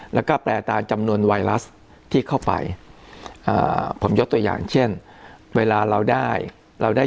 แล้วก็แปลตามจำนวนไวรัสที่เข้าไปอ่าผมยกตัวอย่างเช่นเวลาเราได้เราได้